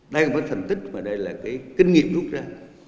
đây là một thần thức mà đây là cái kinh nghiệm rút ra